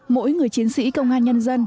mỗi người chiến sĩ công an nhân dân